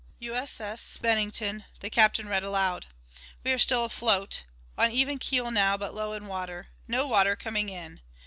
"U. S. S. Bennington," the captain read aloud. "We are still afloat. On even keel now, but low in water. No water coming in.